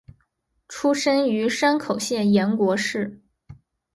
出身于山口县岩国市。